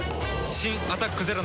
新「アタックＺＥＲＯ」